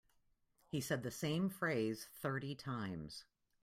He said the same phrase thirty times.